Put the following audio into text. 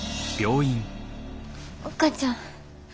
お母ちゃん。